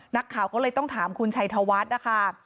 นักข่าวก็เลยต้องถามคุณชัยธาวัส